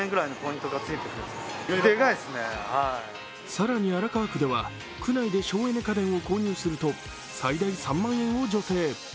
更に荒川区では区内で省エネ家電を購入すると最大３万円を助成。